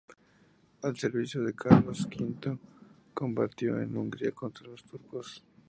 Al servicio de Carlos V combatió en Hungría contra los turcos.